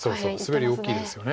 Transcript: スベリ大きいですよね。